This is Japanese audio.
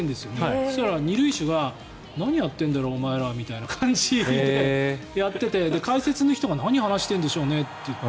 そしたら、２塁手は何やってるんだよお前らみたいな感じでやってて解説の人が何、話してるんでしょうねって。